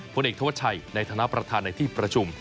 ผลเอกธวัชชัยในฐานะประธานในที่ประชุม